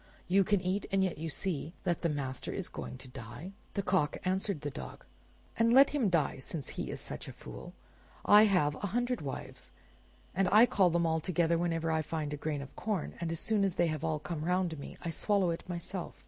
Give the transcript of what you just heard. You can eat, and yet you see that the master is going to die!" The Cock answered the Dog, "And let him die since he is such a fool. I have a hundred wives, and I call them all together whenever I find a grain of corn, and as soon as they have come round me, I swallow it myself.